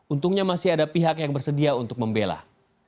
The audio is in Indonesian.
untungnya masih ada pihak yang bersedia untuk membela